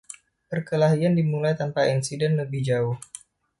Perkelahian dimulai tanpa insiden lebih jauh.